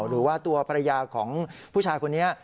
หรือว่าตัวภรรยาของผู้ชายคนนี้